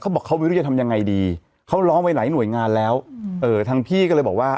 บอกเขาไม่รู้จะทำยังไงดีเขาร้องไว้หลายหน่วยงานแล้วเอ่อทางพี่ก็เลยบอกว่า